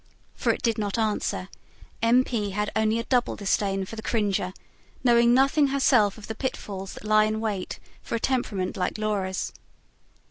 For it did not answer; M. P. had only a double disdain for the cringer, knowing nothing herself of the pitfalls that lie in wait for a temperament like Laura's.